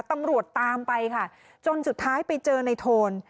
ตำรวจตามไปค่ะจนสุดท้ายไปเจอในโทน